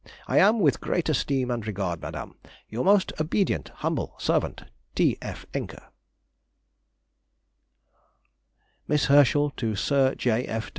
I am, with great esteem and regard, madame, Your most obedient, humble servant, T. F. ENCKE. MISS HERSCHEL TO SIR J.